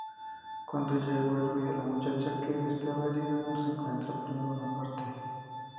Cuando ella vuelve, la muchacha que estaba herida no se encuentra por ninguna parte.